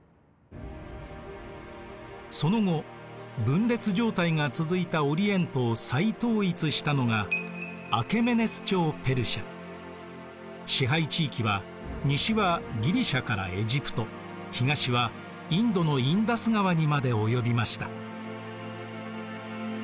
その後分裂状態が続いたオリエントを再統一したのが支配地域は西はギリシアからエジプト東はインドのインダス川にまで及びました。